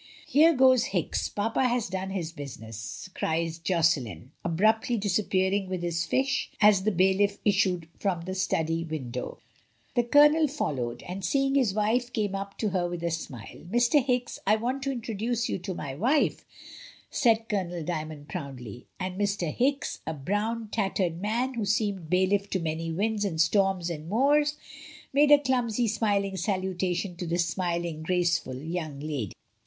"There goes Hicks; papa has done his business," cries Josselin, abruptly disappearing with his fish as the bailiff issued from the study window. The 232 MRS. DYMOND. Colonel followed, and seeing his wife, came up to her with a smile. "Mr. Hicks, I want to introduce you to my wife," said Colonel Dymond, proudly; and Mr. Hicks, a brown, tattered man, who seemed bailiff to many winds and storms and moors, made a clumsy, smil ing salutation to the smiling, graceful young lady.